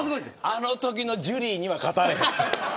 あのときのジュリーには勝たれへん。